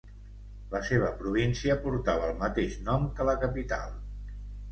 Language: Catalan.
La seva província portava el mateix nom que la capital.